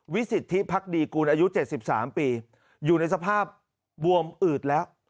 สิทธิพักดีกูลอายุ๗๓ปีอยู่ในสภาพบวมอืดแล้ว